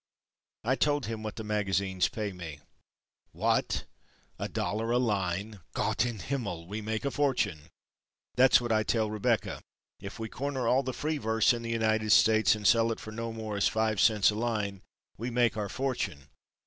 I told him what the magazines pay me. "What! A dollar a line! Gott in Himmel! we make a fortune! That's what I tell Rebecca—If we corner all the free verse in the United States and sell it for no more as five cents a line—we make our fortune!